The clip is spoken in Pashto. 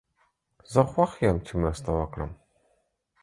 زه خوښ یم چې مرسته وکړم.